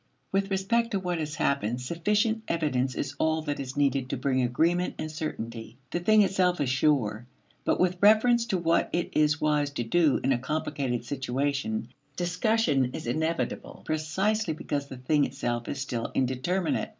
With respect to what has happened, sufficient evidence is all that is needed to bring agreement and certainty. The thing itself is sure. But with reference to what it is wise to do in a complicated situation, discussion is inevitable precisely because the thing itself is still indeterminate.